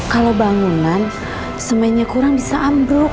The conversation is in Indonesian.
kalau bangunan semennya kurang bisa ambruk